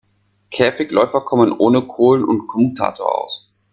Käfigläufer kommen ohne Kohlen und Kommutator aus.